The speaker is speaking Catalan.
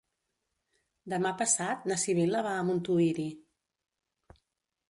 Demà passat na Sibil·la va a Montuïri.